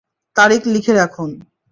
তারিখ লিখে রাখুন।